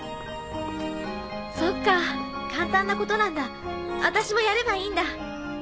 そうかぁ簡単なことなんだ私もやればいいんだ。